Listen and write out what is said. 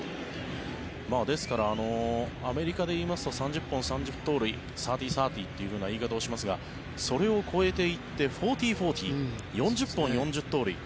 ですから、アメリカでいいますと３０本３０盗塁サーティーサーティーという言い方をしますがそれを超えていってフォーティーフォーティー４０本、４０盗塁。